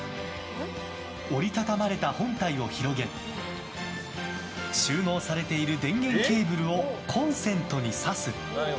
折り畳まれた本体を広げ収納されている電源ケーブルをコンセントに挿す。